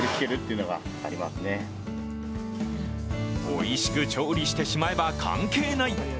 おいしく調理してしまえば関係ない。